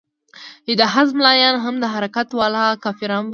چې د حزب ملايان هم حرکت والا کافران بولي.